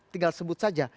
tinggal sebut saja